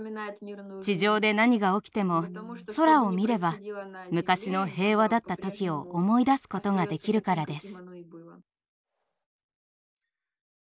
地上で何が起きても空を見れば昔の平和だった時を思い出すことができるからです。